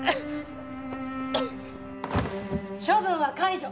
処分は解除！